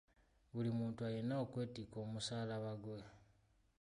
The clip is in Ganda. Buli muntu alina okwetikka omusaalaba gwe.